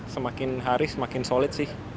semakin hari semakin solid sih